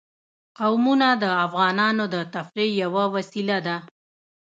قومونه د افغانانو د تفریح یوه وسیله ده.